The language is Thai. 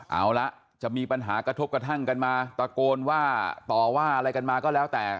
เอาละจะมีปัญหากระทบกระทั่งกันมาตะโกนว่าต่อว่าอะไรกันมาก็แล้วแต่